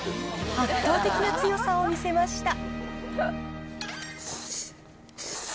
圧倒的な強さを見せました。